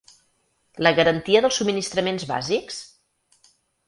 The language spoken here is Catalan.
La garantia dels subministraments bàsics?